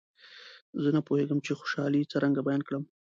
زه نه پوهېږم چې خوشالي څرنګه بیان کړم.